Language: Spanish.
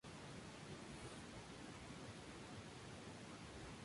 Además, el English Toy Terrier debe tener las orejas más anchas.